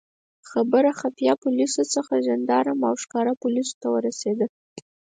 خبره خفیه پولیسو څخه ژندارم او ښکاره پولیسو ته ورسېده.